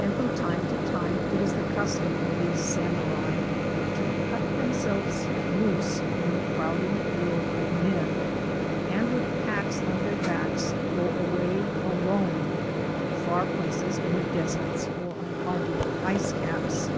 And, from time to time, it is the custom of these Samurai to cut themselves loose from the crowding world of men, and with packs on their backs go away alone to far places in the deserts or on Arctic ice caps.